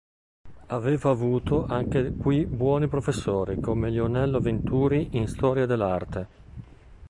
Aveva avuto anche qui buoni professori, come Lionello Venturi in Storia dell'arte.